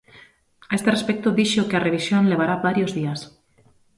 A este respecto, dixo que a revisión levará varios días.